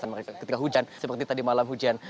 dan ketika hujan seperti tadi malam hujan